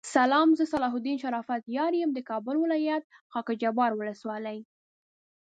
سلام زه صلاح الدین شرافت یار یم دکابل ولایت خاکحبار ولسوالی